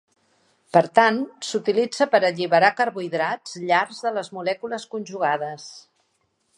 Per tant, s'utilitza per alliberar carbohidrats llargs de les molècules conjugades.